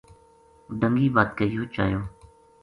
ڈَنگی بَدھ کے یوہ چایو